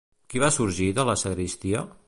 Qui va sorgir de la sagristia?